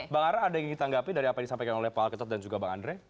bang ara ada yang ditanggapi dari apa yang disampaikan oleh pak alketot dan juga bang andre